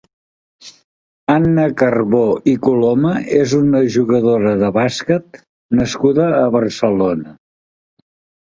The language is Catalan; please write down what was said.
Anna Carbó i Coloma és una jugadora de bàsquet nascuda a Barcelona.